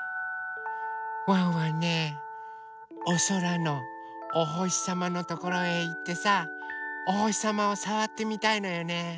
ワンワンねおそらのおほしさまのところへいってさおほしさまをさわってみたいのよね。